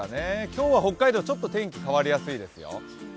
今日は北海道、ちょっと天気変わりやすいですよ。